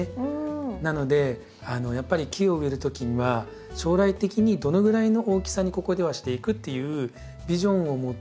なのでやっぱり木を植えるときには将来的にどのぐらいの大きさにここではしていくっていうビジョンを持って。